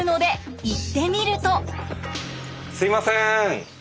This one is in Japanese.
すいません。